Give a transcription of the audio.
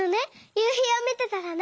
ゆうひをみてたらね。